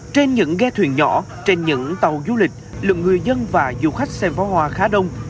trên những ghe thuyền nhỏ trên những tàu du lịch lượng người dân và du khách xem phó hoa khá đông